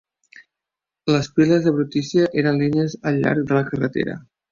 Les piles de brutícia eren línies al llarg de la carretera.